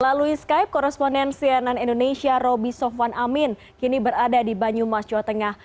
melalui skype koresponen cnn indonesia roby sofwan amin kini berada di banyumas jawa tengah